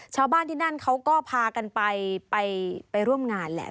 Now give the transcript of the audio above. ชาวบ้านที่นั่นเขาก็พากันไปไปร่วมงานแหละ